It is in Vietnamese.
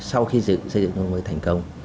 sau khi xây dựng nông thôn mới thành công